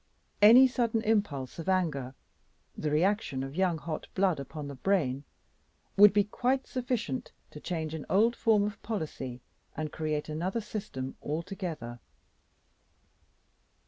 Any sudden impulse of anger, the reaction of young hot blood upon the brain, would be quite sufficient to change an old form of policy and create another system altogether.